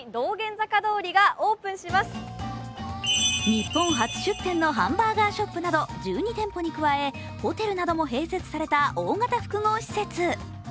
日本初出店のハンバーガーショップなど１２店舗に加えホテルなども併設された大型複合施設。